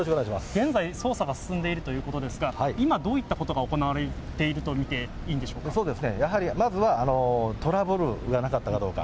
現在、捜査が進んでいるということですが、今、どういったことが行われていると見ていいんでそうですね、やはり、まずはトラブルがなかったかどうか。